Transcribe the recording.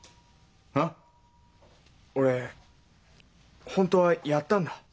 俺本当はやったんだ。